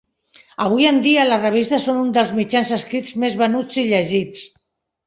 Avui en dia, les revistes són un dels mitjans escrits més venuts i llegits.